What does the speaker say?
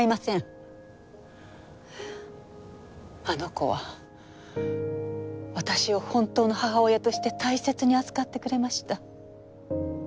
あの子は私を本当の母親として大切に扱ってくれました。